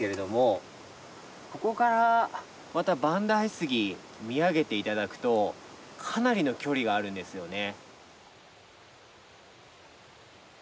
ここからまた万代杉見上げて頂くとかなりの距離があるんですよね。